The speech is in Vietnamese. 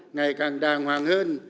ngày càng đàng hoàng hơn